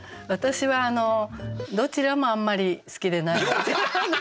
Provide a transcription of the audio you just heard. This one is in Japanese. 私はあのどちらもあんまり好きでない。